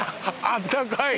あったかい！？